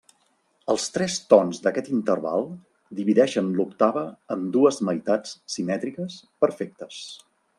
Els tres tons d'aquest interval divideixen l'octava en dues meitats simètriques perfectes.